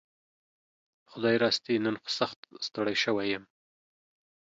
خدايي راستي نن خو سخت ستړى شوي يم